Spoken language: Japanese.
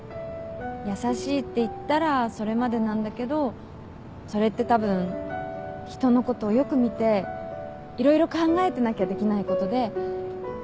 優しいって言ったらそれまでなんだけどそれってたぶん人のことをよく見て色々考えてなきゃできないことで。